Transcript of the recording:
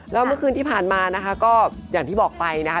แล้วเมื่อคืนที่ผ่านมานะคะก็อย่างที่บอกไปนะคะ